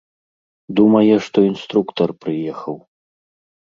Думае, што інструктар прыехаў.